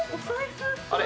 あれ？